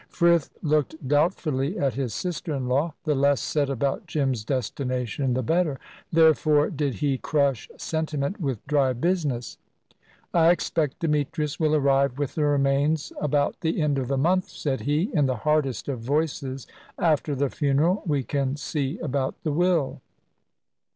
Frith looked doubtfully at his sister in law. The less said about Jim's destination, the better: therefore did he crush sentiment with dry business. "I expect Demetrius will arrive with the remains about the end of the month," said he, in the hardest of voices; "after the funeral, we can see about the will."